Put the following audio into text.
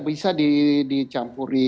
tidak bisa dicampuri